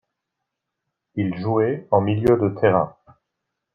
Il jouait en milieu de terrain.